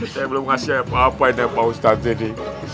saya belum ngasih apa apain sama pak ustad tadi